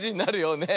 ねえ。